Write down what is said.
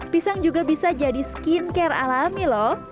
pisang juga bisa jadi skin care alami loh